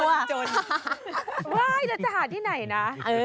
เสร็จจะหาที่ไหนนะ